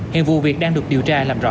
hiện vụ việc đang được điều tra làm rõ